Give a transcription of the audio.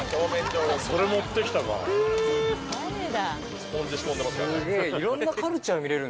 スポンジ仕込んでますからね。